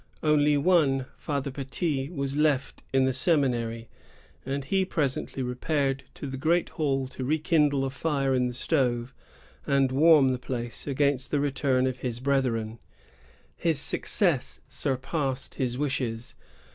Only one, Father Petit, was left in the seminary, and he presently repaired to the great hall to rekindle the fire in the stove and warm the place against the return of his brethren. His success surpassed his wishes.